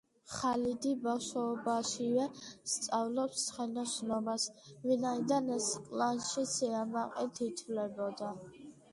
ხალიდი ბავშვობაშივე სწავლობს ცხენოსნობას, ვინაიდან ეს კლანში სიამაყედ ითვლებოდა.